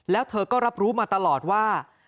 แล้วเธอก็รับรู้มาตลอดว่า